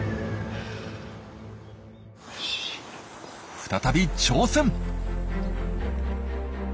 再び挑戦。